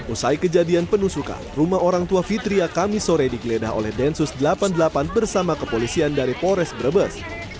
usai kejadian penusukan rumah orang tua fitria kami sore digeledah oleh densus delapan puluh delapan bersama kepolisian dari polres brebes